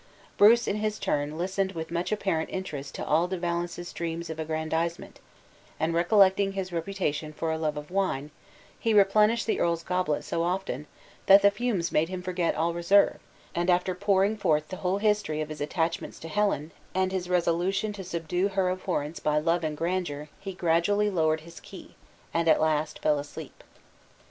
Bruce, in his turn, listened with much apparent interest to all De Valence's dreams of aggrandizement, and recollecting his reputation for a love of wine, he replenished the earl's goblet so often, that the fumes made him forget all reserve; and after pouring forth the whole history of his attachments to Helen, and his resolution to subdue her abhorrence by love and grandeur, he gradually lowered his key, and at last fell fast asleep.